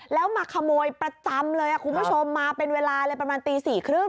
แล้วมาขโมยประจำเลยคุณผู้ชมมาเป็นเวลาเลยประมาณตี๔๓๐